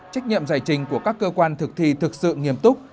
trách nhiệm giải trình của các cơ quan thực thi thực sự nghiêm túc